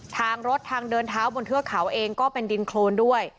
ทางรถทางเดินเท้าบนเทือกเขาเองก็เป็นดินโครนด้วย